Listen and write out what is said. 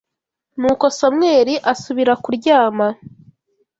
Nuko Samweli asubira kuryama